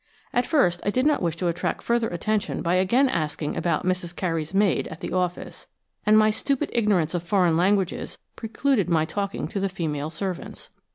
At first I did not wish to attract further attention by again asking about "Mrs. Carey's maid" at the office, and my stupid ignorance of foreign languages precluded my talking to the female servants.